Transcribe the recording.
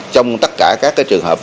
trong tất cả các trường hợp